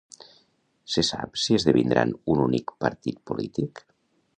Se sap si esdevindran un únic partit polític?